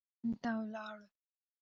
دوی هند ته ولاړل.